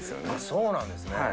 そうなんですね